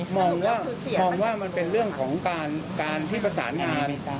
มองว่ามองว่ามันเป็นเรื่องของการที่ประสานงาน